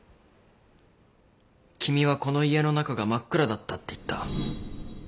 君はこの家の中が真っ暗だったって言った。